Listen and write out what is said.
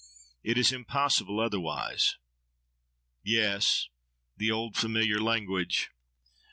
It is impossible otherwise. —Yes! The old, familiar language!